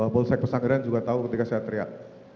bolsek pesangeran juga tahu ketika saya teriak